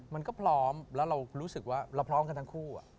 มันก็พร้อมแล้วเรารู้สึกว่าเราพร้อมกันทั้งคู่